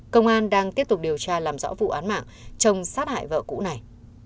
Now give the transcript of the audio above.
công an đang tiếp tục điều tra làm rõ vụ án mạng chồng sát hại vợ cũ này